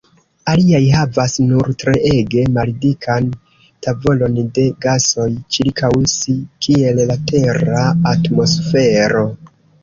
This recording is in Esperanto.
Aliaj havas nur treege maldikan tavolon de gasoj ĉirkaŭ si, kiel la Tera atmosfero.